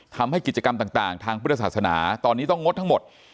ทำให้กิจกรรมต่างทางพุทธศาสนาตอนนี้ต้องงดทั้งหมด